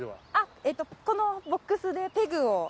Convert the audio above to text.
あっこのボックスでペグを。